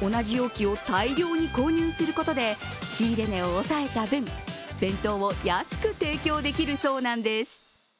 同じ容器を大量に購入することで、仕入れ値を抑えた分、弁当を安く提供できるそうなんです。